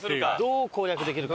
どう攻略できるか。